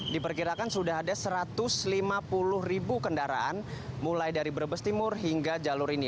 diperkirakan sudah ada satu ratus lima puluh ribu kendaraan mulai dari brebes timur hingga jalur ini